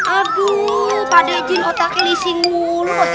aduh pak dejin otaknya lising mulu